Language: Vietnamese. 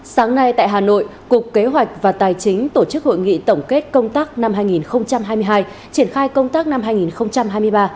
sáng nay tại hà nội cục kế hoạch và tài chính tổ chức hội nghị tổng kết công tác năm hai nghìn hai mươi hai triển khai công tác năm hai nghìn hai mươi ba